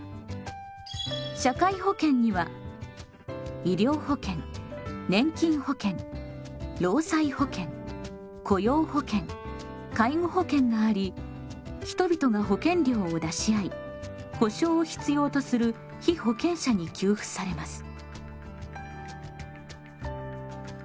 社会保険には医療保険年金保険労災保険雇用保険介護保険があり人々が保険料を出し合い保障を必要とする被保険者に給付されます。